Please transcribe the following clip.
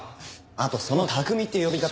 あとその拓海って呼び方。